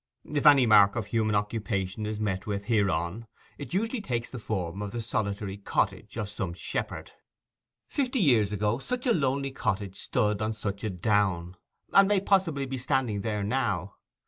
If any mark of human occupation is met with hereon, it usually takes the form of the solitary cottage of some shepherd. Fifty years ago such a lonely cottage stood on such a down, and may possibly be standing there now.